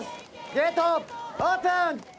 ゲートオープン。